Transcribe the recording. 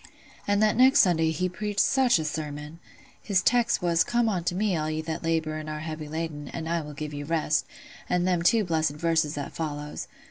An' that next Sunday he preached such a sermon! His text was, 'Come unto me all ye that labour and are heavy laden, and I will give you rest,' and them two blessed verses that follows.